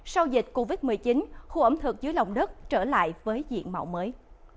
sau dịch covid một mươi chín khu ẩm thực dưới lòng đất trở lại với diện mạo mới